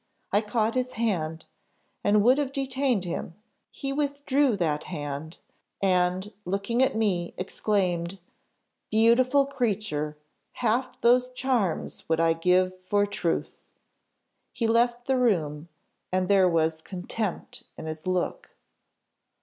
I caught his hand, and would have detained him; he withdrew that hand, and, looking at me, exclaimed, 'Beautiful creature! half those charms would I give for truth!' He left the room, and there was contempt in his look.